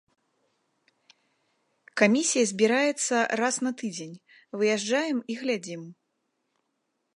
Камісія збіраецца раз на тыдзень, выязджаем і глядзім.